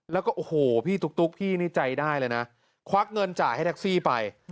แล้วก็โอ้โหพี่ตุ๊กพี่นี่ใจได้เลยนะควักเงินจ่ายให้แท็กซี่ไป